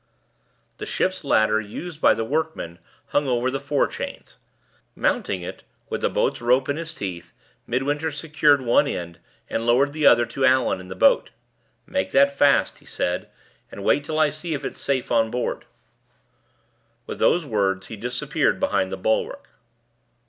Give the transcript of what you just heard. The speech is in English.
The ship's ladder used by the workmen hung over the fore chains. Mounting it, with the boat's rope in his teeth, Midwinter secured one end, and lowered the other to Allan in the boat. "Make that fast," he said, "and wait till I see if it's all safe on board." With those words, he disappeared behind the bulwark.